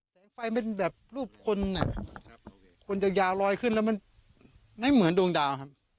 แสงไฟมันแบบรูปคนคนยาวลอยขึ้นแล้วมันไม่เหมือนดวงดาวครับ